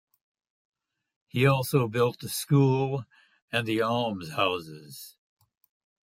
He also built the school and almshouses.